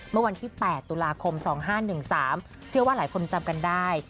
เมื่อวันที่๘ตุลาคม๒๕๑๓เชื่อว่าหลายคนจำกันได้